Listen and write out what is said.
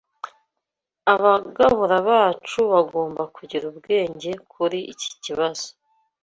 Abagabura bacu bagomba kugira ubwenge kuri iki kibazo